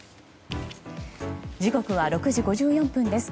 時刻は６時５４分です。